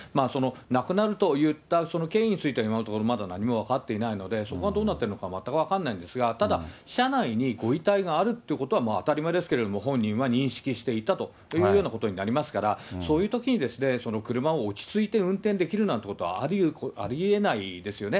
亡くなるといった経緯については今のところ、まだ何も分かっていないので、そこはどうなっているのか全く分からないんですが、ただ、車内にご遺体があるっていうことは当たり前ですけども、本人は認識していたというようなことなりますから、そういうときにですね、車を落ち着いて運転できるなんてことはありえないですよね。